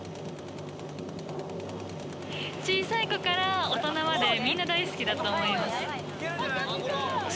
小さい子から大人まで、みんな大好きだと思います。